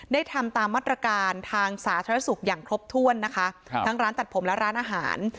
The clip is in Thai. ทำตามมาตรการทางสาธารณสุขอย่างครบถ้วนนะคะครับทั้งร้านตัดผมและร้านอาหาร